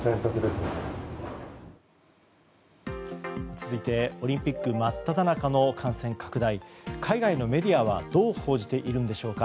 続いて、オリンピック真っただ中の感染拡大を海外のメディアはどう報じているんでしょうか。